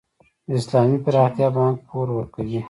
د اسلامي پراختیا بانک پور ورکوي؟